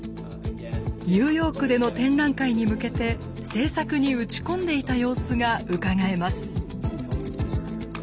ニューヨークでの展覧会に向けて制作に打ち込んでいた様子がうかがえます。